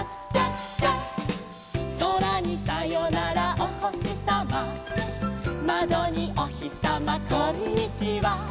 「そらにさよならおほしさま」「まどにおひさまこんにちは」